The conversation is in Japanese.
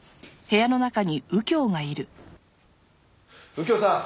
右京さん！